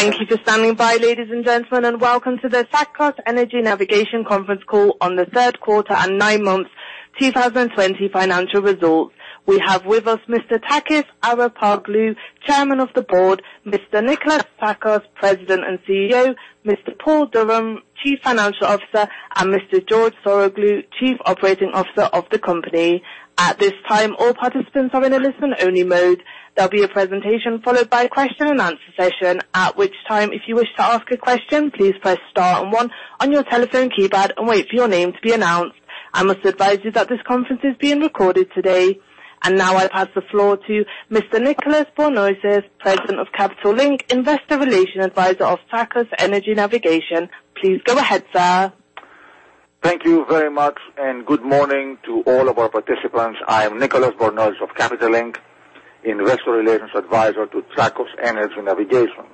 Thank you for standing by, ladies and gentlemen, and welcome to the Tsakos Energy Navigation conference call on the third quarter and nine months 2020 financial results. We have with us Mr. Takis Arapoglou, Chairman of the Board, Mr. Nikolas Tsakos, President and CEO, Mr. Paul Durham, Chief Financial Officer, and Mr. George Saroglou, Chief Operating Officer of the company. At this time all participants are in listen only mode. There will be a presentation followed by question and answer session at which time if you wish to ask a question, please press star one on your telephone keypad and wait for your name to be announced. I must advice you that this call is being recorded today. Now I pass the floor to Mr. Nicolas Bornozis, President of Capital Link, Investor Relations Advisor of Tsakos Energy Navigation. Please go ahead, sir. Thank you very much, good morning to all of our participants. I am Nicolas Bornozis of Capital Link, Investor Relations Advisor to Tsakos Energy Navigation.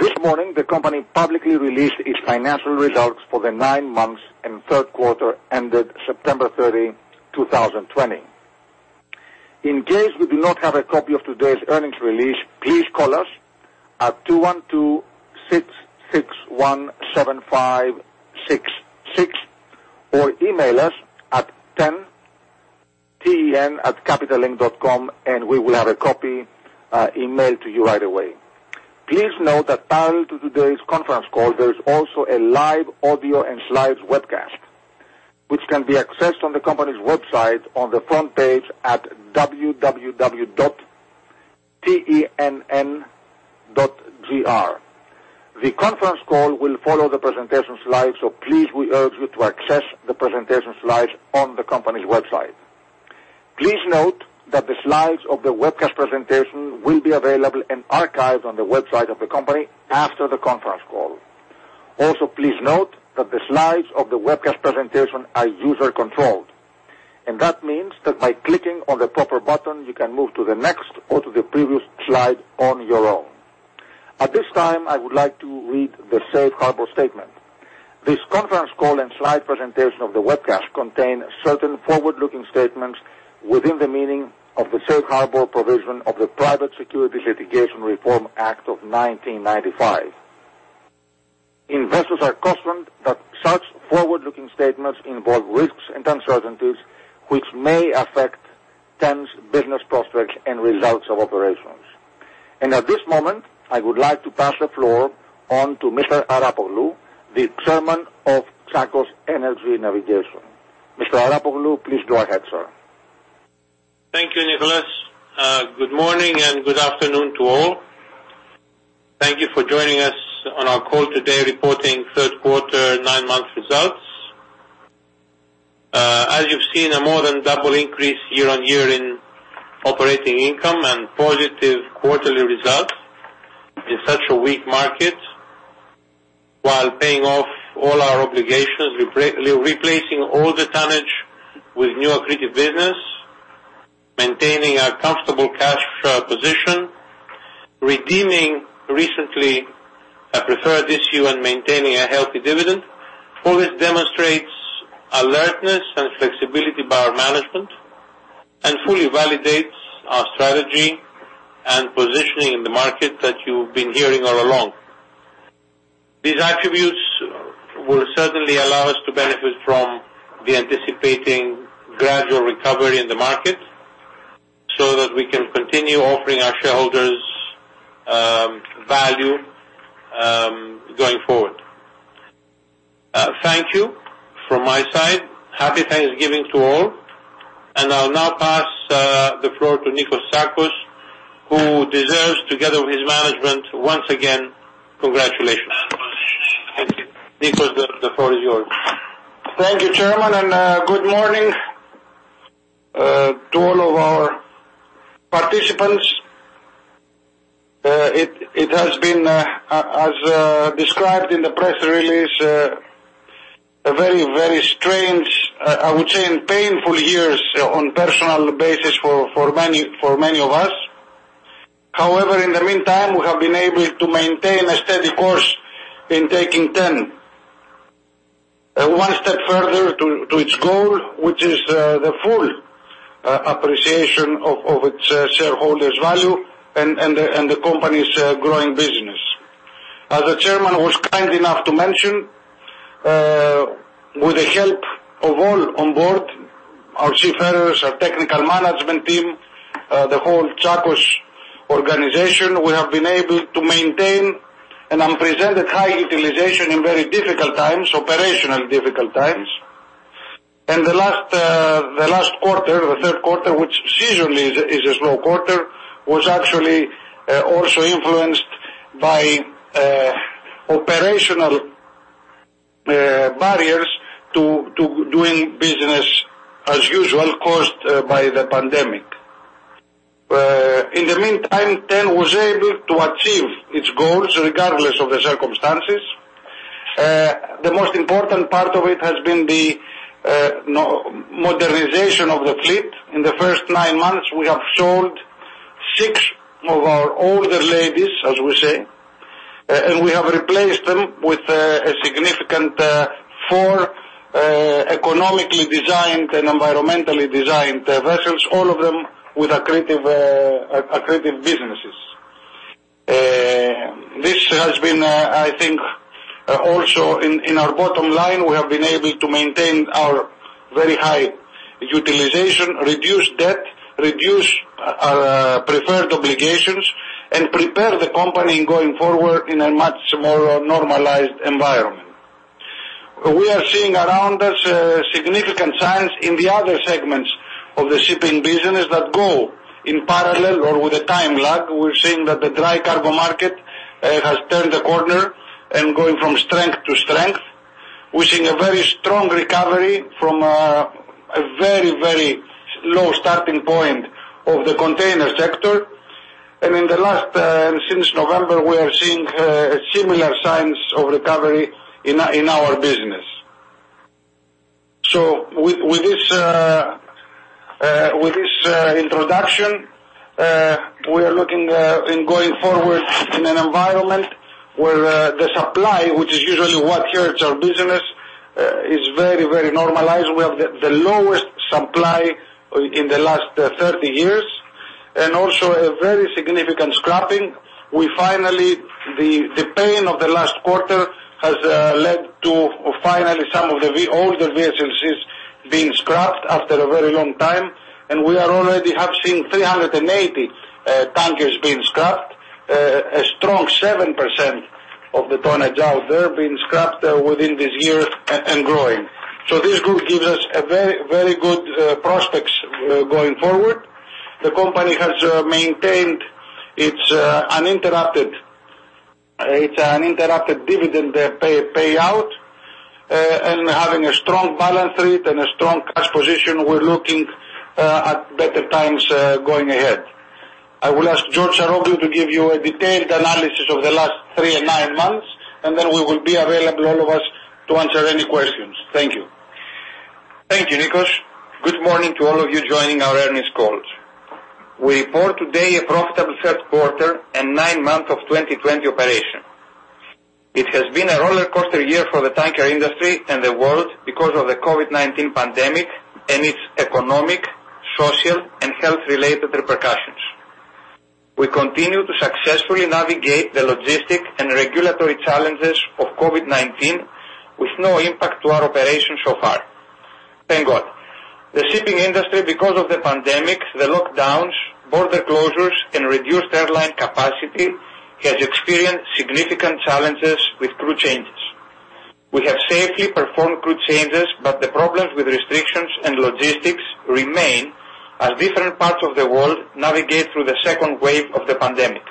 This morning, the company publicly released its financial results for the nine months and third quarter ended September 30, 2020. In case you do not have a copy of today's earnings release, please call us at 212-661-7566 or email us at ten@capitallink.com and we will have a copy emailed to you right away. Please note that parallel to today's conference call, there is also a live audio and slides webcast, which can be accessed on the company's website on the front page at www.tenn.gr. The conference call will follow the presentation slides, so please, we urge you to access the presentation slides on the company's website. Please note that the slides of the webcast presentation will be available and archived on the website of the company after the conference call. Please note that the slides of the webcast presentation are user controlled. That means that by clicking on the proper button, you can move to the next or to the previous slide on your own. At this time, I would like to read the safe harbor statement. This conference call and slide presentation of the webcast contain certain forward-looking statements within the meaning of the safe harbor provision of the Private Securities Litigation Reform Act of 1995. Investors are cautioned that such forward-looking statements involve risks and uncertainties, which may affect TEN's business prospects and results of operations. At this moment, I would like to pass the floor on to Mr. Arapoglou, the Chairman of Tsakos Energy Navigation. Mr. Arapoglou, please go ahead, sir. Thank you, Nicolas. Good morning, good afternoon to all. Thank you for joining us on our call today reporting third quarter, nine months results. As you've seen, a more than double increase year-on-year in operating income and positive quarterly results in such a weak market while paying off all our obligations, replacing all the tonnage with new accretive business, maintaining our comfortable cash flow position, redeeming recently a preferred issue, and maintaining a healthy dividend, all this demonstrates alertness and flexibility by our management and fully validates our strategy and positioning in the market that you've been hearing all along. These attributes will certainly allow us to benefit from the anticipating gradual recovery in the market so that we can continue offering our shareholders value going forward. Thank you from my side. Happy Thanksgiving to all. I'll now pass the floor to Nikolas Tsakos, who deserves, together with his management, once again, congratulations. Congratulations. Thank you. Nicolas, the floor is yours. Thank you, Chairman, and good morning to all of our participants. It has been, as described in the press release, a very strange, I would say, and painful years on personal basis for many of us. However, in the meantime, we have been able to maintain a steady course in taking TEN one step further to its goal, which is the full appreciation of its shareholders' value and the company's growing business. As the Chairman was kind enough to mention, with the help of all on board, our chief officers, our technical management team, the whole Tsakos organization, we have been able to maintain an unprecedented high utilization in very difficult times, operational difficult times. The last quarter, the third quarter, which seasonally is a slow quarter, was actually also influenced by operational barriers to doing business as usual caused by the pandemic. In the meantime, TEN was able to achieve its goals regardless of the circumstances. The most important part of it has been the modernization of the fleet. In the first nine months, we have sold six of our older ladies, as we say, and we have replaced them with a significant four eco-designed and environmentally designed vessels, all of them with accretive businesses. This has been, I think, also in our bottom line, we have been able to maintain our very high utilization, reduce debt, reduce our preferred obligations, and prepare the company in going forward in a much more normalized environment. We are seeing around us significant signs in the other segments of the shipping business that go in parallel or with a time lag. We're seeing that the dry cargo market has turned a corner and going from strength to strength. We're seeing a very strong recovery from a very low starting point of the container sector. Since November, we are seeing similar signs of recovery in our business. With this introduction, we are looking in going forward in an environment where the supply, which is usually what hurts our business, is very normalized. We have the lowest supply in the last 30 years, and also a very significant scrapping. The pain of the last quarter has led to finally some of the older vessels is being scrapped after a very long time. We already have seen 380 tankers being scrapped. A strong 7% of the tonnage out there being scrapped within this year and growing. This group gives us a very good prospects going forward. The company has maintained its uninterrupted dividend payout and having a strong balance sheet and a strong cash position. We're looking at better times going ahead. I will ask George Saroglou to give you a detailed analysis of the last three and nine months, and then we will be available, all of us, to answer any questions. Thank you. Thank you, Nikos. Good morning to all of you joining our earnings call. We report today a profitable third quarter and nine months of 2020 operation. It has been a roller coaster year for the tanker industry and the world because of the COVID-19 pandemic and its economic, social, and health-related repercussions. We continue to successfully navigate the logistic and regulatory challenges of COVID-19 with no impact to our operations so far. Thank God. The shipping industry, because of the pandemic, the lockdowns, border closures, and reduced airline capacity, has experienced significant challenges with crew changes. We have safely performed crew changes, but the problems with restrictions and logistics remain as different parts of the world navigate through the second wave of the pandemic.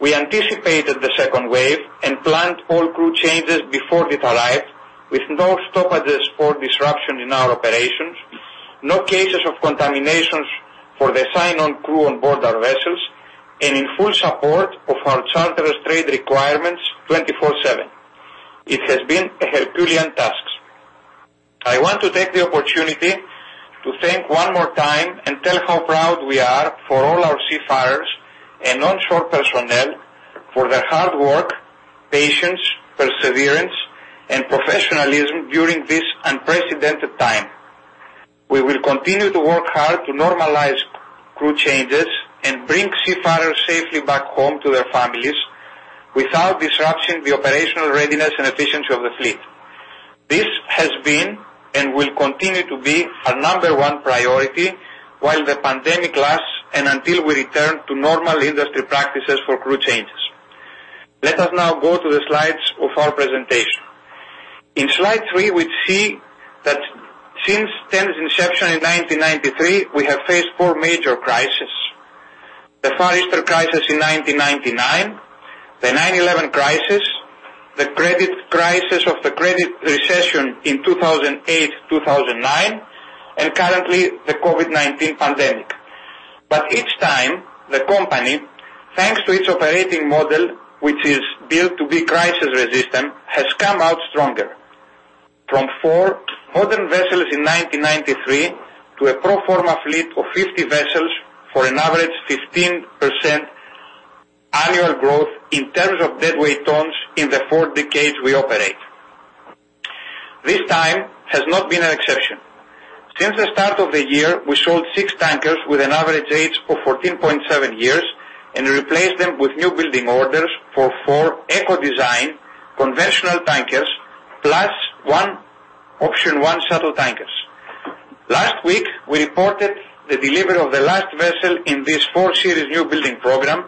We anticipated the second wave and planned all crew changes before it arrived with no stoppages or disruption in our operations, no cases of contaminations for the sign-on crew on board our vessels, and in full support of our charterers trade requirements 24/7. It has been a Herculean task. I want to take the opportunity to thank one more time and tell how proud we are for all our seafarers and onshore personnel for their hard work, patience, perseverance, and professionalism during this unprecedented time. We will continue to work hard to normalize crew changes and bring seafarers safely back home to their families without disrupting the operational readiness and efficiency of the fleet. This has been and will continue to be our number one priority while the pandemic lasts and until we return to normal industry practices for crew changes. Let us now go to the slides of our presentation. In slide three, we see that since TEN's inception in 1993, we have faced four major crisis. The Far Eastern crisis in 1999, the 9/11 crisis, the credit crisis of the credit recession in 2008, 2009, currently the COVID-19 pandemic. Each time, the company, thanks to its operating model, which is built to be crisis resistant, has come out stronger. From four modern vessels in 1993 to a pro forma fleet of 50 vessels for an average 15% annual growth in terms of deadweight tons in the four decades we operate. This time has not been an exception. Since the start of the year, we sold six tankers with an average age of 14.7 years and replaced them with new building orders for four eco design conventional tankers, plus one option one shuttle tankers. Last week, we reported the delivery of the last vessel in this four series new building program,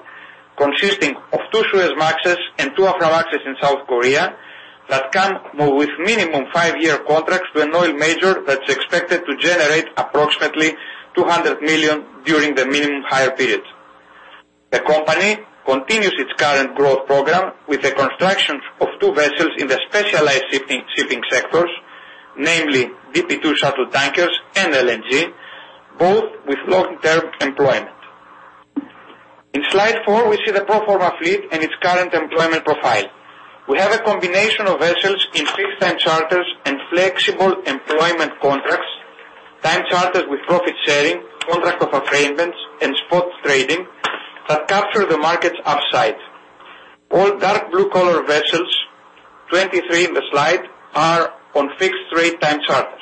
consisting of two Suezmaxes and two Aframaxes in South Korea that come with minimum five-year contracts to an oil major that's expected to generate approximately $200 million during the minimum hire period. The company continues its current growth program with the construction of two vessels in the specialized shipping sectors, namely DP2 shuttle tankers and LNG, both with long-term employment. In slide four, we see the pro forma fleet and its current employment profile. We have a combination of vessels in fixed-time charters and flexible employment contracts partnered with profit sharing, contract of affreightments, and spot trading that capture the market's upside. All dark blue color vessels, 23 in the slide, are on fixed rate time charters,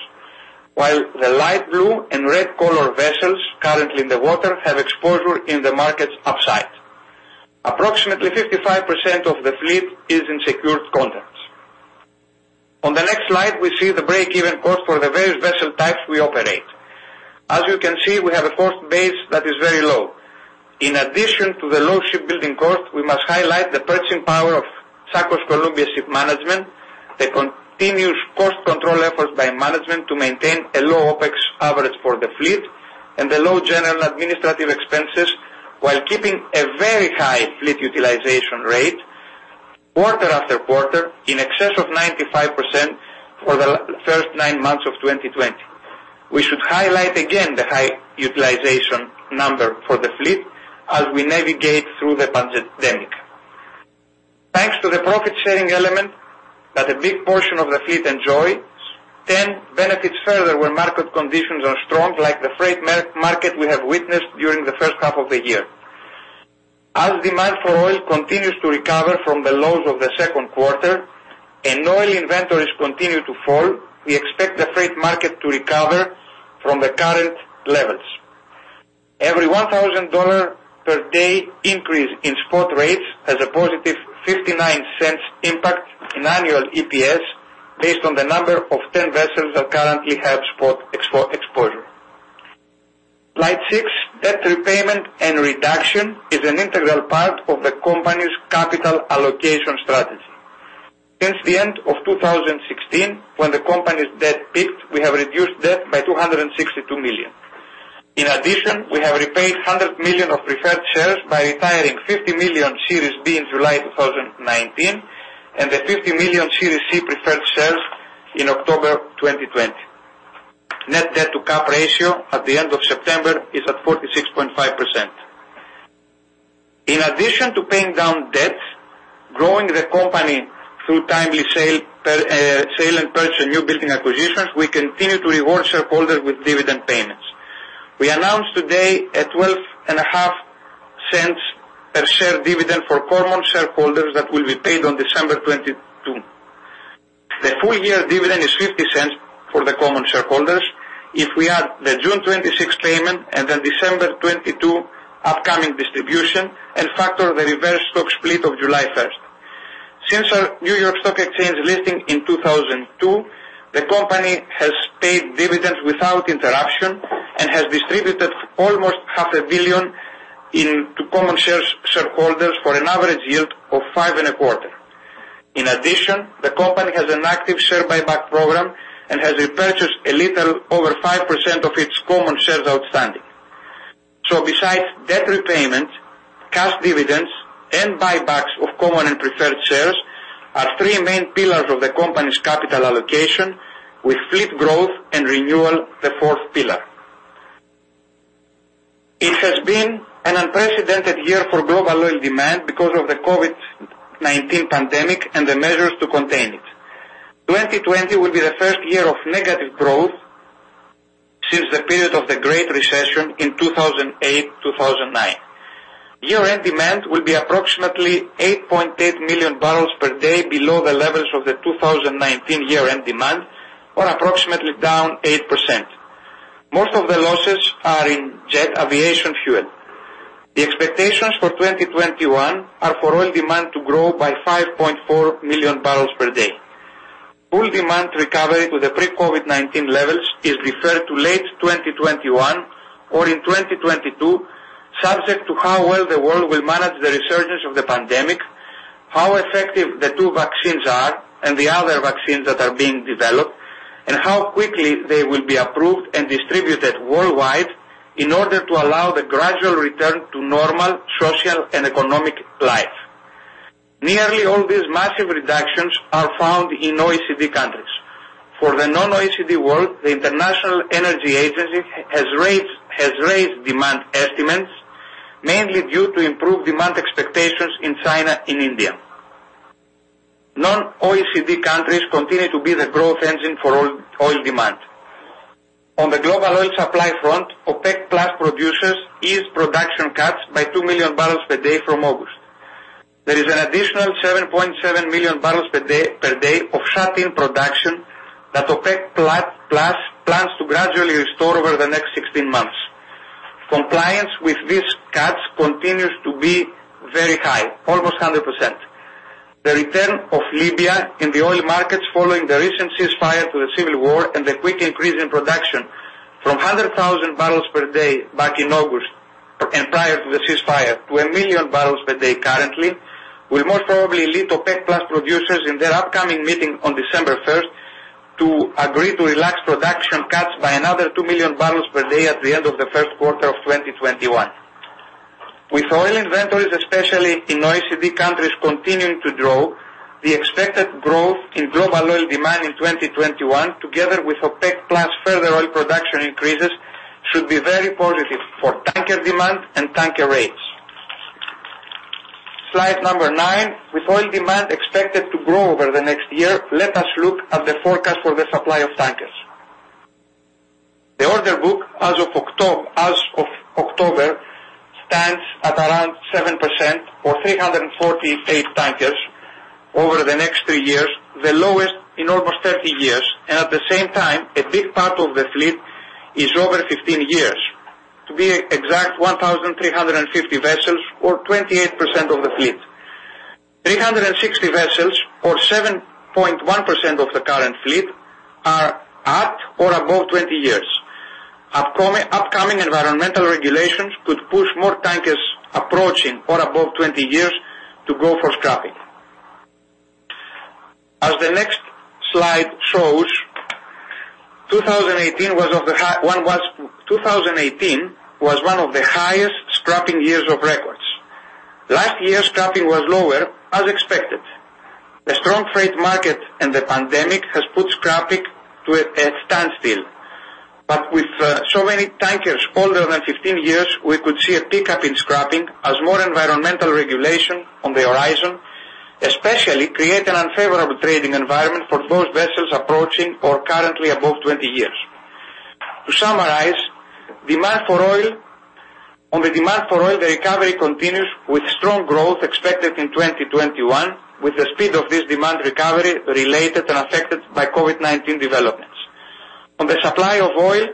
while the light blue and red color vessels currently in the water have exposure in the market's upside. Approximately 55% of the fleet is in secured contracts. On the next slide, we see the break-even cost for the various vessel types we operate. As you can see, we have a cost base that is very low. In addition to the low shipbuilding cost, we must highlight the purchasing power of Tsakos Columbia Shipmanagement, the continuous cost control efforts by management to maintain a low OPEX average for the fleet, and the low general administrative expenses while keeping a very high fleet utilization rate quarter after quarter, in excess of 95% for the first nine months of 2020. We should highlight again the high utilization number for the fleet as we navigate through the pandemic. Thanks to the profit-sharing element that a big portion of the fleet enjoy, then benefits further when market conditions are strong, like the freight market we have witnessed during the first half of the year. As demand for oil continues to recover from the lows of the second quarter and oil inventories continue to fall, we expect the freight market to recover from the current levels. Every $1,000 per day increase in spot rates has a positive $0.59 impact in annual EPS based on the number of 10 vessels that currently have spot exposure. Slide six, debt repayment and reduction is an integral part of the company's capital allocation strategy. Since the end of 2016, when the company's debt peaked, we have reduced debt by $262 million. In addition, we have repaid $100 million of preferred shares by retiring $50 million Series B in July 2019 and the $50 million Series C preferred shares in October 2020. Net debt to cap ratio at the end of September is at 46.5%. In addition to paying down debts, growing the company through timely sale and purchase of new building acquisitions, we continue to reward shareholders with dividend payments. We announced today a $0.125 per share dividend for common shareholders that will be paid on December 22. The full year dividend is $0.50 for the common shareholders if we add the June 26th payment and the December 22 upcoming distribution and factor the reverse stock split of July 1st. Since our New York Stock Exchange listing in 2002, the company has paid dividends without interruption and has distributed almost half a billion into common shareholders for an average yield of five and a quarter. In addition, the company has an active share buyback program and has repurchased a little over 5% of its common shares outstanding. Besides debt repayment, cash dividends, and buybacks of common and preferred shares are three main pillars of the company's capital allocation, with fleet growth and renewal the fourth pillar. It has been an unprecedented year for global oil demand because of the COVID-19 pandemic and the measures to contain it. 2020 will be the first year of negative growth since the period of the Great Recession in 2008, 2009. Year-end demand will be approximately 8.8 million barrels per day below the levels of the 2019 year-end demand, or approximately down 8%. Most of the losses are in jet aviation fuel. The expectations for 2021 are for oil demand to grow by 5.4 million barrels per day. Full demand recovery to the pre-COVID-19 levels is deferred to late 2021 or in 2022, subject to how well the world will manage the resurgence of the pandemic, how effective the two vaccines are and the other vaccines that are being developed, and how quickly they will be approved and distributed worldwide in order to allow the gradual return to normal social and economic life. Nearly all these massive reductions are found in OECD countries. For the non-OECD world, the International Energy Agency has raised demand estimates, mainly due to improved demand expectations in China and India. Non-OECD countries continue to be the growth engine for oil demand. On the global oil supply front, OPEC+ producers ease production cuts by 2 million barrels per day from August. There is an additional 7.7 million barrels per day of shut-in production that OPEC+ plans to gradually restore over the next 16 months. Compliance with these cuts continues to be very high, almost 100%. The return of Libya in the oil markets following the recent ceasefire to the civil war and the quick increase in production from 100,000 barrels per day back in August and prior to the ceasefire to 1 million barrels per day currently, will most probably lead to OPEC+ producers in their upcoming meeting on December 1st to agree to relax production cuts by another 2 million barrels per day at the end of the first quarter of 2021. With oil inventories, especially in OECD countries, continuing to grow, the expected growth in global oil demand in 2021, together with OPEC+ further oil production increases, should be very positive for tanker demand and tanker rates. Slide number nine. With oil demand expected to grow over the next year, let us look at the forecast for the supply of tankers. The order book as of October stands at around 7%, or 348 tankers over the next three years, the lowest in almost 30 years, and at the same time, a big part of the fleet is over 15 years. To be exact, 1,350 vessels, or 28% of the fleet. 360 vessels, or 7.1% of the current fleet, are at or above 20 years. Upcoming environmental regulations could push more tankers approaching or above 20 years to go for scrapping. As the next slide shows, 2018 was one of the highest scrapping years of records. Last year, scrapping was lower as expected. The strong freight market and the pandemic has put scrapping to a standstill. With so many tankers older than 15 years, we could see a pickup in scrapping as more environmental regulation on the horizon, especially create an unfavorable trading environment for those vessels approaching or currently above 20 years. To summarize, on the demand for oil, the recovery continues with strong growth expected in 2021, with the speed of this demand recovery related and affected by COVID-19 developments. On the supply of oil,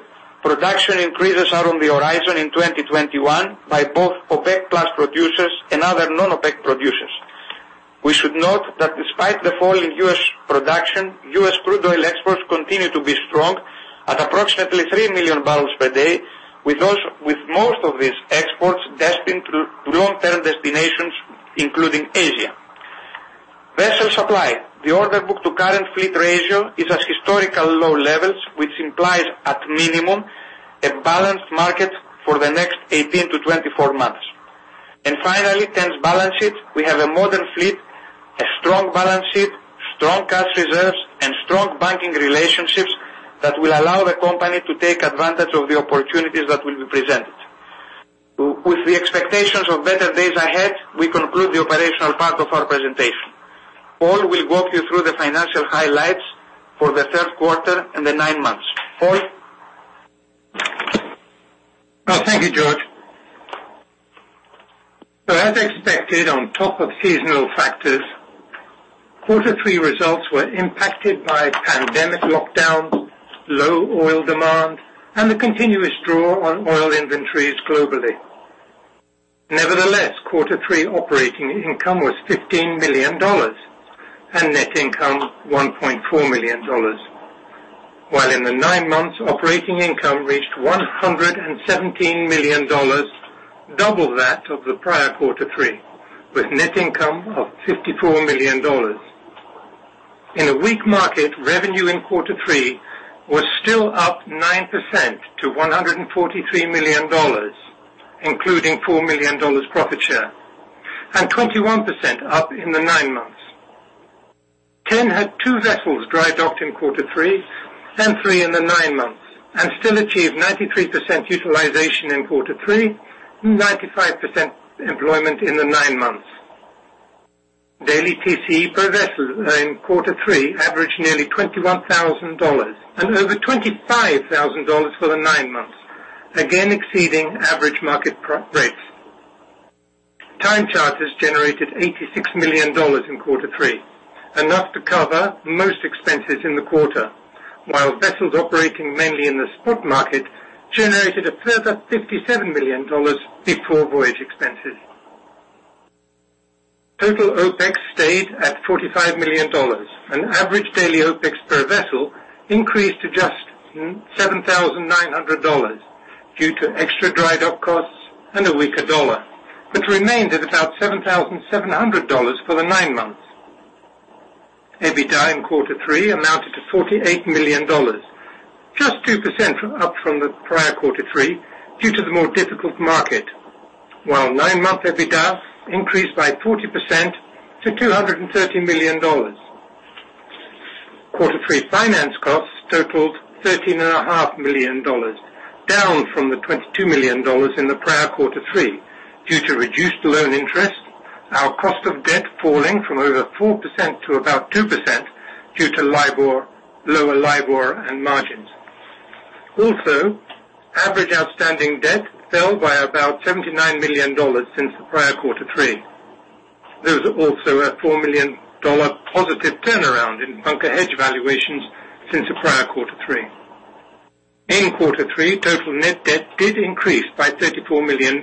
production increases are on the horizon in 2021 by both OPEC+ producers and other non-OPEC producers. We should note that despite the fall in U.S. production, U.S. crude oil exports continue to be strong at approximately 3 million barrels per day, with most of these exports destined to long-term destinations, including Asia. Vessel supply. The order book to current fleet ratio is at historical low levels, which implies at minimum, a balanced market for the next 18-24 months. Finally, TEN's balance sheet. We have a modern fleet, a strong balance sheet, strong cash reserves, and strong banking relationships that will allow the company to take advantage of the opportunities that will be presented. With the expectations of better days ahead, we conclude the operational part of our presentation. Paul will walk you through the financial highlights for the third quarter and the nine months. Paul? Thank you, George. As expected, on top of seasonal factors, Q3 results were impacted by pandemic lockdowns, low oil demand, and the continuous draw on oil inventories globally. Nevertheless, Q3 operating income was $15 million, and net income, $1.4 million. While in the nine months, operating income reached $117 million, double that of the prior Q3, with net income of $54 million. In a weak market, revenue in Q3 was still up 9% to $143 million, including $4 million profit share, and 21% up in the nine months. TEN had two vessels dry docked in Q3 and three in the nine months, and still achieved 93% utilization in Q3, and 95% employment in the nine months. Daily TCE per vessel in Q3 averaged nearly $21,000, and over $25,000 for the nine months, again exceeding average market rates. Time charters generated $86 million in Q3, enough to cover most expenses in the quarter, while vessels operating mainly in the spot market generated a further $57 million before voyage expenses. Total OPEX stayed at $45 million, and average daily OPEX per vessel increased to just $7,900 due to extra dry dock costs and a weaker dollar, but remained at about $7,700 for the nine months. EBITDA in Q3 amounted to $48 million, just 2% up from the prior Q3 due to the more difficult market, while nine-month EBITDA increased by 40% to $230 million. Q3 finance costs totaled $13.5 million, down from the $22 million in the prior Q3 due to reduced loan interest, our cost of debt falling from over 4% to about 2% due to lower LIBOR and margins. Also, average outstanding debt fell by about $79 million since the prior quarter three. There was also a $4 million positive turnaround in bunker hedge valuations since the prior quarter three. In quarter three, total net debt did increase by $34 million,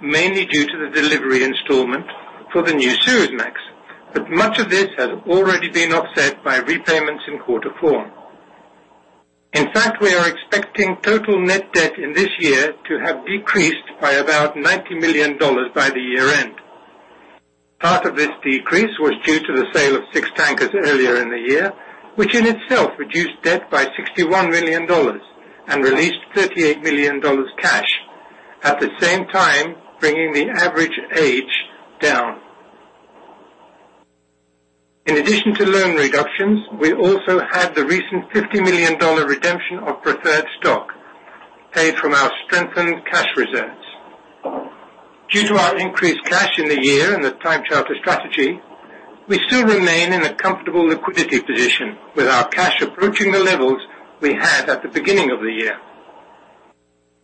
mainly due to the delivery installment for the new Suezmax, but much of this has already been offset by repayments in quarter four. In fact, we are expecting total net debt in this year to have decreased by about $90 million by the year-end. Part of this decrease was due to the sale of six tankers earlier in the year, which in itself reduced debt by $61 million and released $38 million cash, at the same time bringing the average age down. In addition to loan reductions, we also had the recent $50 million redemption of preferred stock, paid from our strengthened cash reserves. Due to our increased cash in the year and the time charter strategy, we still remain in a comfortable liquidity position with our cash approaching the levels we had at the beginning of the year.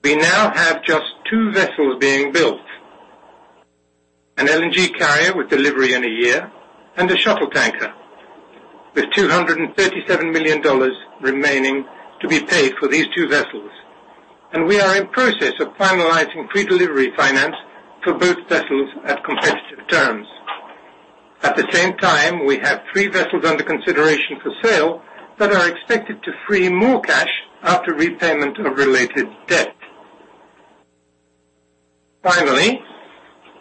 We now have just two vessels being built, an LNG carrier with delivery in a year and a shuttle tanker with $237 million remaining to be paid for these two vessels. We are in process of finalizing pre-delivery finance for both vessels at competitive terms. At the same time, we have three vessels under consideration for sale that are expected to free more cash after repayment of related debt. Finally,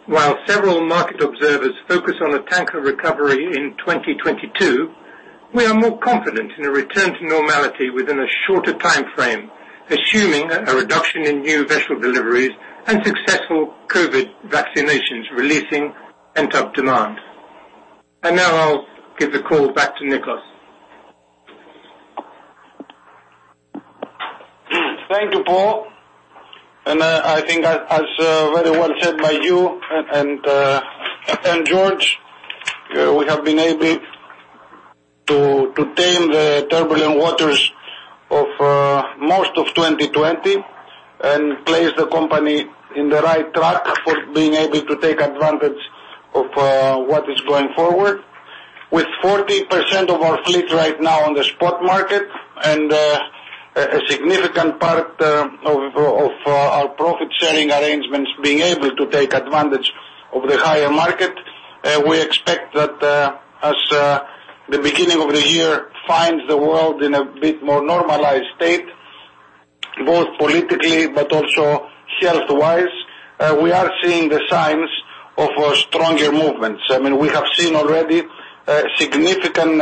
while several market observers focus on a tanker recovery in 2022, we are more confident in a return to normality within a shorter timeframe, assuming a reduction in new vessel deliveries and successful COVID vaccinations releasing pent-up demand. Now I'll give the call back to Nikos. Thank you, Paul, and I think as very well said by you and George, we have been able to tame the turbulent waters of most of 2020 and place the company in the right track for being able to take advantage of what is going forward. With 40% of our fleet right now on the spot market and a significant part of our profit-sharing arrangements being able to take advantage of the higher market, we expect that as the beginning of the year finds the world in a bit more normalized state, both politically but also health-wise, we are seeing the signs of stronger movements. We have seen already a significant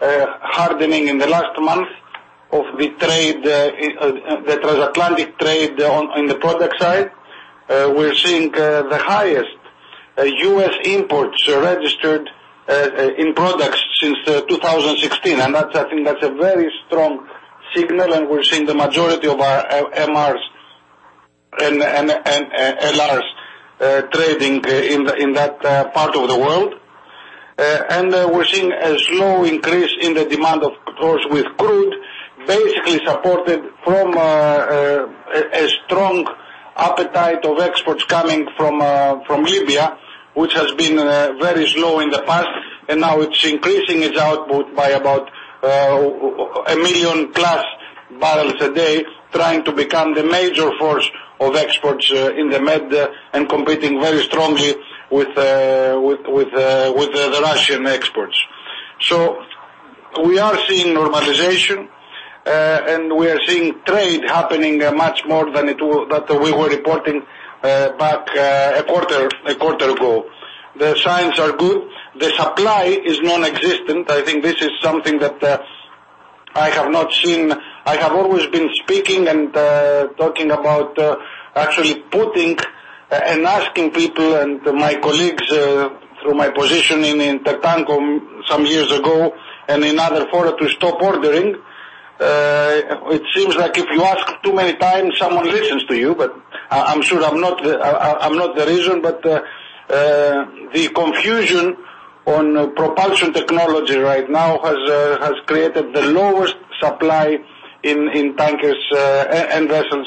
hardening in the last month of the transatlantic trade on the product side. We're seeing the highest U.S. imports registered in products since 2016. I think that's a very strong signal. We're seeing the majority of our MRs and LRs trading in that part of the world. We're seeing a slow increase in the demand, of course, with crude, basically supported from a strong appetite of exports coming from Libya, which has been very slow in the past, and now it's increasing its output by about +1 million barrels a day, trying to become the major force of exports in the Med and competing very strongly with the Russian exports. We are seeing normalization. We are seeing trade happening much more than we were reporting back a quarter ago. The signs are good. The supply is non-existent. I think this is something that I have not seen. I have always been speaking and talking about actually putting and asking people and my colleagues through my position in INTERTANKO some years ago and in other fora to stop ordering. It seems like if you ask too many times, someone listens to you, but I'm sure I'm not the reason. The confusion on propulsion technology right now has created the lowest supply in tankers and vessels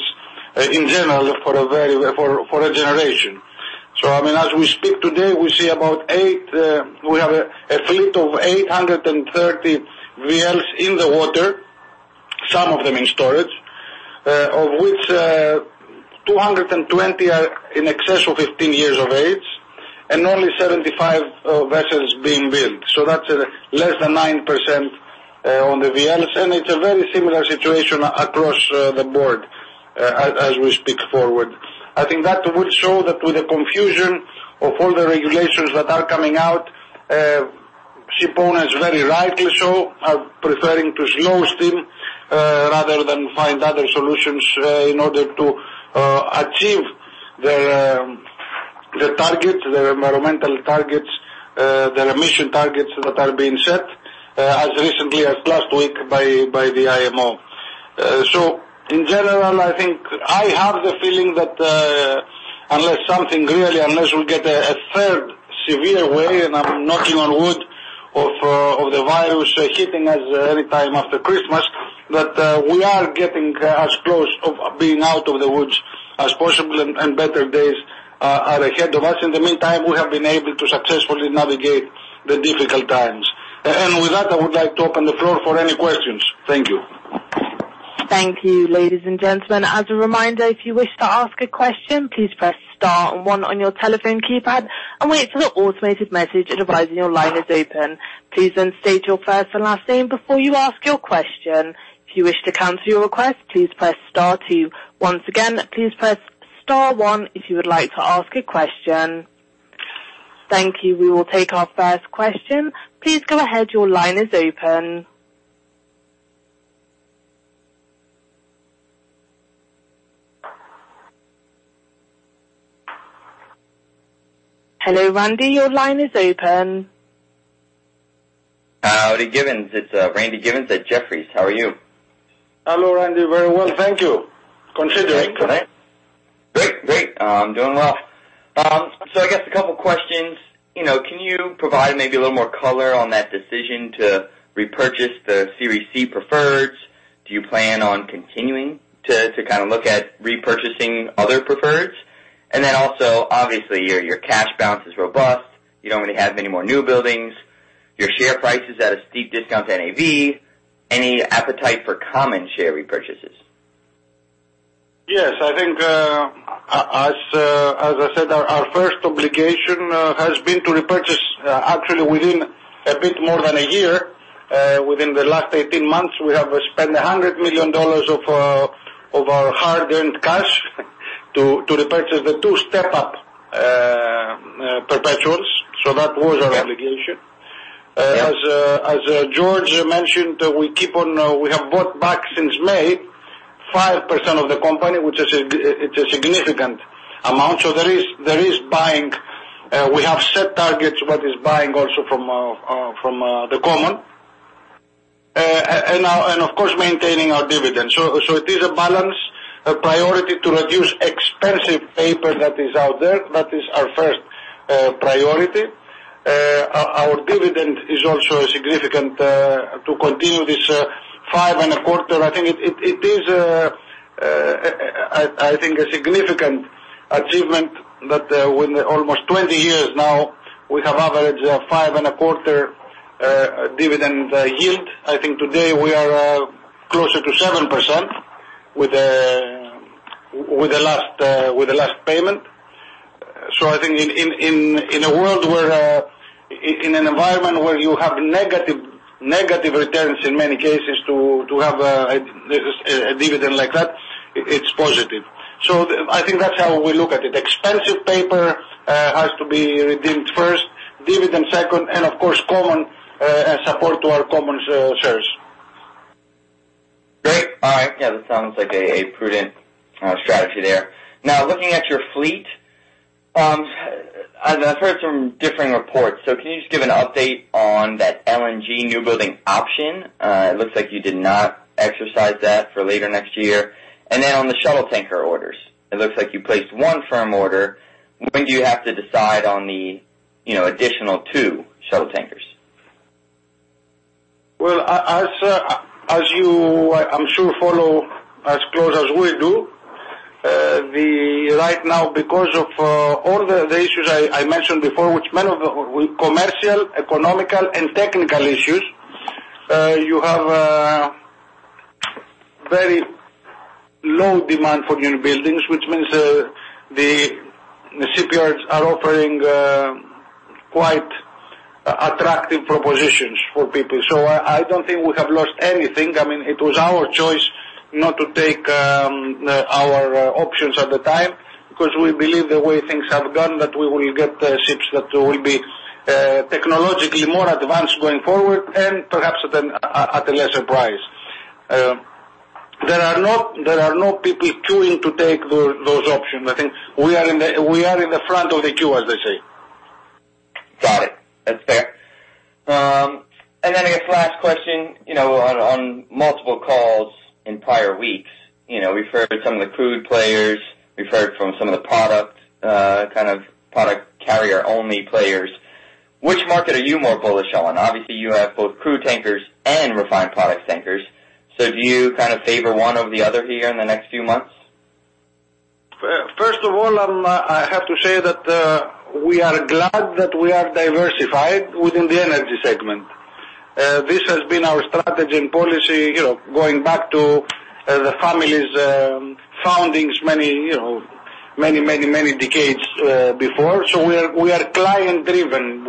in general for a generation. As we speak today, we have a fleet of 830 VLCCs in the water, some of them in storage, of which 220 are in excess of 15 years of age and only 75 vessels being built. That's less than 9% on the VLCCs, and it's a very similar situation across the board as we speak forward. I think that would show that with the confusion of all the regulations that are coming out, ship owners very rightly so are preferring to slow steam rather than find other solutions in order to achieve their targets, their environmental targets, their emission targets that are being set as recently as last week by the IMO. In general, I have the feeling that unless something really, unless we get a third severe wave, and I'm knocking on wood, of the virus hitting us any time after Christmas, that we are getting as close of being out of the woods as possible and better days are ahead of us. In the meantime, we have been able to successfully navigate the difficult times. With that, I would like to open the floor for any questions. Thank you. Thank you, ladies and gentlemen. As a reminder, if you wish to ask a question, please press star and one on your telephone keypad and wait for the automated message advising your line is open. Please then state your first and last name before you ask your question. If you wish to cancel your request, please press star two. Once again, please press star one if you would like to ask a question. Thank you. We will take our first question. Please go ahead. Your line is open. Hello, Randy, your line is open. Howdy, Giveans. It's Randy Giveans at Jefferies. How are you? Hello, Randy. Very well, thank you. Considering. Great. I'm doing well. I guess a couple questions. Can you provide maybe a little more color on that decision to repurchase the Series C preferreds? Do you plan on continuing to look at repurchasing other preferreds? Obviously, your cash balance is robust. You don't really have many more new buildings. Your share price is at a steep discount to NAV. Any appetite for common share repurchases? Yes, I think as I said, our first obligation has been to repurchase, actually within a bit more than a year. Within the last 18 months, we have spent $100 million of our hard-earned cash to repurchase the two step-up perpetuals. That was our obligation. Yeah. As George mentioned, we have bought back since May, 5% of the company, which is a significant amount. There is buying. We have set targets, but is buying also from the common. Of course, maintaining our dividends. It is a balance, a priority to reduce expensive paper that is out there. That is our first priority. Our dividend is also significant to continue this five and a quarter. I think it is a significant achievement that almost 20 years now, we have averaged a five and a quarter dividend yield. I think today we are closer to 7% with the last payment. I think in an environment where you have negative returns in many cases, to have a dividend like that, it's positive. I think that's how we look at it. Expensive paper has to be redeemed first, dividend second, and of course, support to our common shares. Great. All right. Yeah, that sounds like a prudent strategy there. Now, looking at your fleet, I've heard some differing reports. Can you just give an update on that LNG new building option? It looks like you did not exercise that for later next year. On the shuttle tanker orders, it looks like you placed one firm order. When do you have to decide on the additional two shuttle tankers? Well, as you, I'm sure, follow as close as we do. Right now, because of all the issues I mentioned before, which many of them were commercial, economical, and technical issues. You have a very low demand for new buildings, which means the shipyards are offering quite attractive propositions for people. I don't think we have lost anything. It was our choice not to take our options at the time because we believe the way things have gone, that we will get ships that will be technologically more advanced going forward, and perhaps at a lesser price. There are no people queuing to take those options. I think we are in the front of the queue, as they say. Got it. That's fair. Then I guess last question. On multiple calls in prior weeks, we've heard from some of the crude players, we've heard from some of the product carrier only players. Which market are you more bullish on? Obviously, you have both crude tankers and refined product tankers. Do you favor one over the other here in the next few months? I have to say that we are glad that we are diversified within the energy segment. This has been our strategy and policy going back to the family's foundings many decades before. We are client-driven.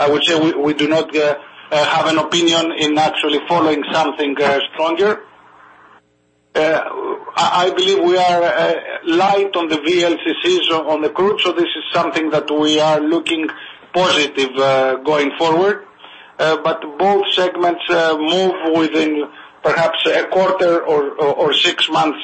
I would say we do not have an opinion in actually following something stronger. I believe we are light on the VLCCs on the crude, this is something that we are looking positive going forward. Both segments move within perhaps a quarter or six months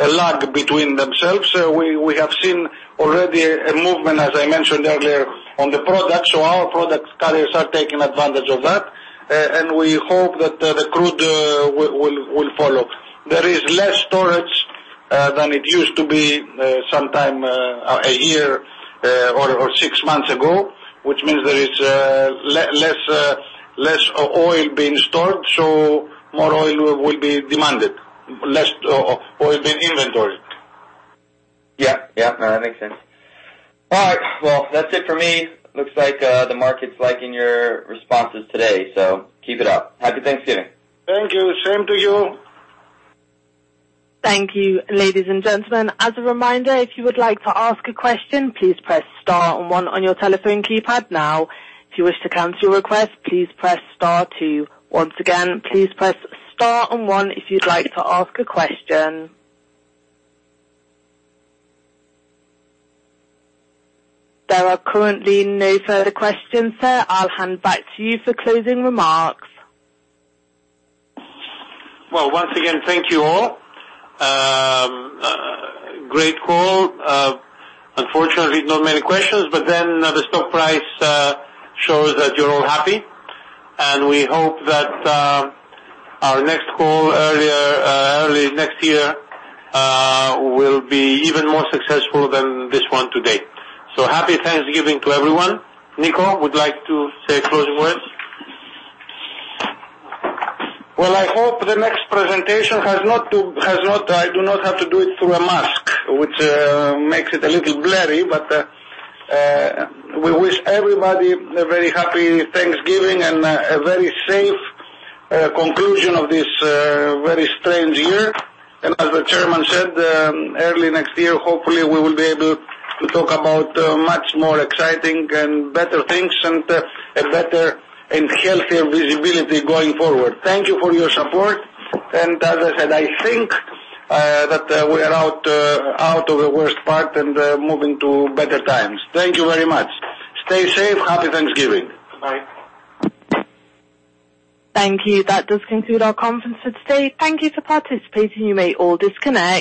lag between themselves. We have seen already a movement, as I mentioned earlier, on the product. Our product carriers are taking advantage of that, and we hope that the crude will follow. There is less storage than it used to be some time a year or six months ago, which means there is less oil being stored, more oil will be demanded. Less oil being inventoried. Yeah. That makes sense. All right, well, that's it for me. Looks like the market's liking your responses today, so keep it up. Happy Thanksgiving. Thank you. Same to you. Thank you, ladies and gentlemen. As a reminder, if you would like to ask a question, please press star and one on your telephone keypad now. If you wish to cancel your request, please press star two. Once again, please press star and one if you'd like to ask a question. There are currently no further questions, sir. I'll hand back to you for closing remarks. Well, once again, thank you, all. Great call. Unfortunately, not many questions, the stock price shows that you're all happy. We hope that our next call early next year will be even more successful than this one today. Happy Thanksgiving to everyone. Nikos, would you like to say closing words? Well, I hope the next presentation I do not have to do it through a mask, which makes it a little blurry. We wish everybody a very happy Thanksgiving and a very safe conclusion of this very strange year. As the Chairman said, early next year, hopefully, we will be able to talk about much more exciting and better things, and better and healthier visibility going forward. Thank you for your support. As I said, I think that we are out of the worst part, and moving to better times. Thank you very much. Stay safe. Happy Thanksgiving. Bye. Thank you. That does conclude our conference for today. Thank you for participating. You may all disconnect.